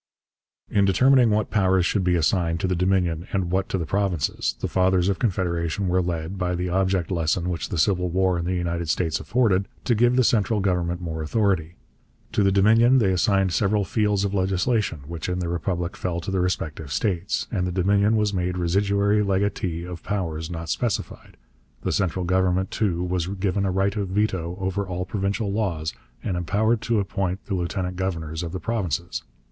In determining what powers should be assigned to the Dominion and what to the provinces, the Fathers of Confederation were led, by the object lesson which the Civil War in the United States afforded, to give the central government more authority. To the Dominion they assigned several fields of legislation which in the Republic fell to the respective states; and the Dominion was made residuary legatee of powers not specified. The central government, too, was given a right of veto over all provincial laws and empowered to appoint the lieutenant governors of the provinces.